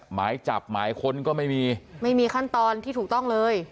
หมายจับหมายค้นก็ไม่มีไม่มีขั้นตอนที่ถูกต้องเลย